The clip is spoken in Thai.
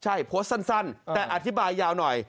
ใช่โพสต์สั้นแต่อธิบายยาวหน่อย